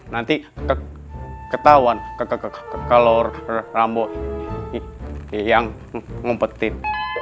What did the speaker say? nanti ketahuan kalau rambo yang ngumpetin